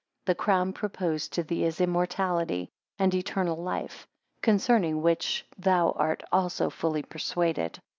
The crown proposed to thee is immortality, and eternal life: concerning which thou art also fully persuaded.